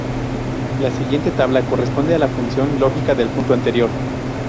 La siguiente tabla corresponde a la función lógica del punto anterior.